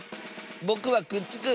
ぼくはくっつく！